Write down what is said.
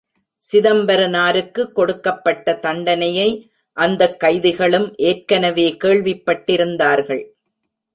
சிதம்பரனாருக்கு கொடுக்கப்பட்ட தண்டனையை அந்தக் கைதிகளும் ஏற்கனவே கேள்விப்பட்டிருந்தார்கள்.